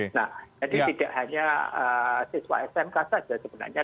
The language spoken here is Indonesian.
nah jadi tidak hanya siswa smk saja sebenarnya